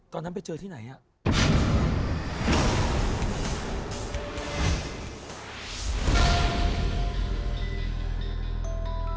ตอนนั้นไปเจอที่ไหนอ่ะ